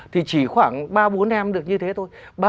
thì chỉ khoảng ba bốn em được như thế thôi